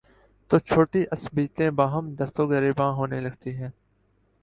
تو چھوٹی عصبیتیں باہم دست وگریباں ہونے لگتی ہیں۔